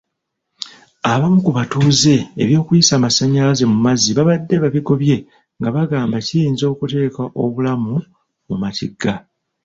Abamu ku batuuze eby'okuyisa amasannyalaze mumazzi baabadde babigobye nga bagamba kiyinza okuteeka obulamu mu matigga.